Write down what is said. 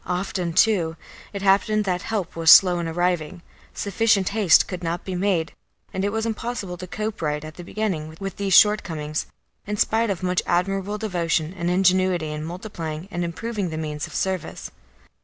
Often, too, it happened that help was slow in arriving; sufficient haste could not be made, and it was impossible to cope right at the beginning with these shortcomings, in spite of much admirable devotion and ingenuity in multiplying and improving the means of service.